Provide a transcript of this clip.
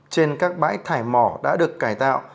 trên các bãi thải mỏ đã được cải tạo